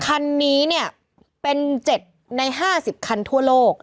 คันนี้เนี่ยเป็น๗ใน๕๐คันทั่วโลก